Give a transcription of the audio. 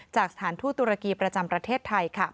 สถานทูตตุรกีประจำประเทศไทย